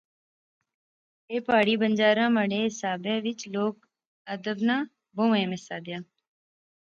ایہہ پہاڑی بنجاراں مہاڑے حسابے وچ لوک ادب ناں بہوں اہم حصہ دیاں